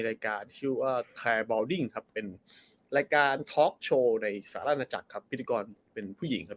รายการชื่อว่าครับเป็นรายการในศาลนาจักรครับพิธีกรเป็นผู้หญิงครับ